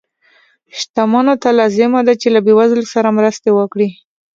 شتمنو ته لازمه ده چې له بې وزلو سره مرستې وکړي.